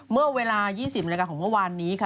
เมื่อเวลา๒๐นาฬิกาของเมื่อวานนี้ค่ะ